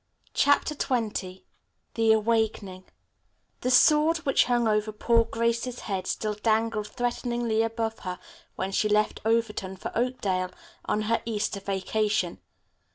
CHAPTER XX THE AWAKENING The sword which hung over poor Grace's head still dangled threateningly above her when she left Overton for Oakdale, on her Easter vacation.